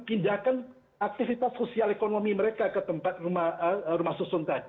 pindahkan aktivitas sosial ekonomi mereka ke tempat rumah susun tadi